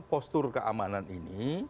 postur keamanan ini